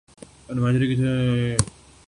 اب نواز شریف کس پہ الزام دھریں گے؟